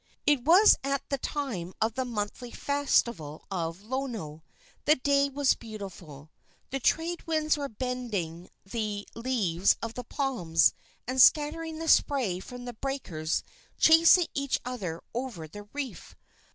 It was at the time of the monthly festival of Lono. The day was beautiful. The trade winds were bending the leaves of the palms and scattering the spray from the breakers chasing each other over the reef.